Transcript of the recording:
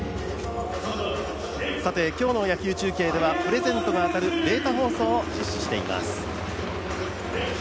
今日の野球中継ではプレゼントが当たるデータ放送を実施しています。